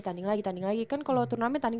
tanding lagi tanding lagi kan kalau turnamen tanding